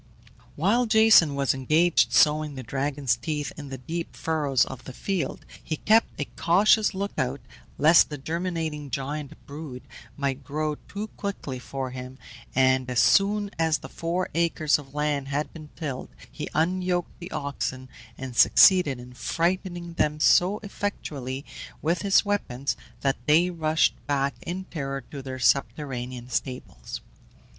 While Jason was engaged sowing the dragon's teeth in the deep furrows of the field, he kept a cautious look out lest the germinating giant brood might grow too quickly for him, and as soon as the four acres of land had been tilled he unyoked the oxen, and succeeded in frightening them so effectually with his weapons, that they rushed back in terror to their subterranean stables.